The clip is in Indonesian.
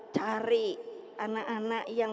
cari anak anak yang